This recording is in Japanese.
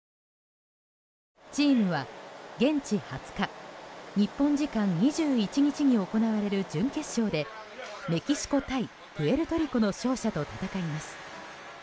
チームは現地２０日日本時間２１日に行われる準決勝でメキシコ対プエルトリコの勝者と戦います。